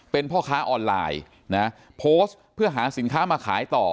เป็นพ่อค้าออนไลน์นะโพสต์เพื่อหาสินค้ามาขายต่อ